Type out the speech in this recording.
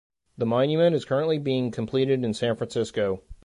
The monument is currently being completed in San Francisco.